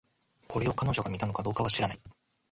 これを、彼女が見たのかどうかは知らない